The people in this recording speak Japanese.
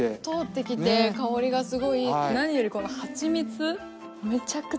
通ってきて香りがすごいいい何よりこの。